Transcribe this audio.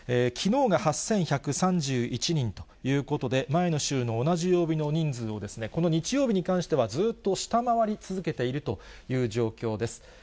きのうが８１３１人ということで、前の週の同じ曜日の人数をこの日曜日に関しては、ずっと下回り続けているという状況です。